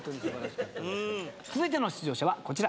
続いての出場者はこちら。